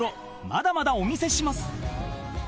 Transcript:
まだまだお見せします］